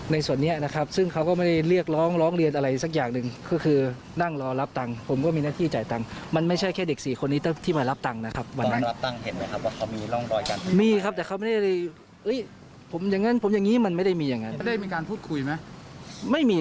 ไม่มีครับผมก็เห็นเป็นอะไรเขาก็ไม่ได้เรียกร้องอะไร